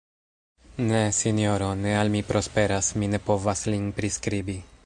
Ne, sinjoro, ne al mi prosperas, mi ne povas lin priskribi.